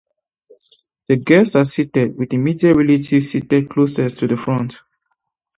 The guests are seated, with immediate relatives seated closest to the front.